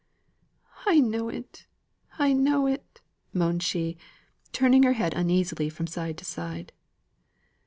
"I know it! I know it," moaned she, turning her head uneasily from side to side.